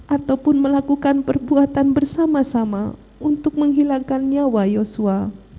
ataupun melakukan perbuatan bersama sama untuk menghilangkan nyawa yosua